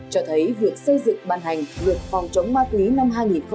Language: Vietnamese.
cho thấy việc xây dựng bàn hành luật phòng chống ma túy năm hai nghìn hai mươi một